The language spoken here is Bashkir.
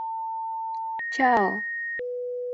Чао!